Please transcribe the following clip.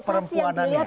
organisasi yang dilihat